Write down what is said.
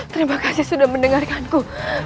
terima kasih sudah mendengarkanku